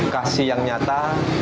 kasih yang nyata